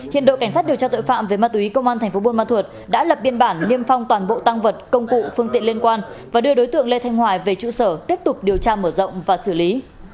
hiện đội cảnh sát điều tra tội phạm về ma túy công an thành phố buôn ma thuột đã lập biên bản niêm phong toàn bộ tăng vật công cụ phương tiện liên quan và đưa đối tượng lê thanh hoài về trụ sở tiếp tục điều tra mở rộng và xử lý